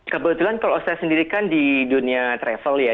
kebetulan kalau saya sendiri kan di dunia travel ya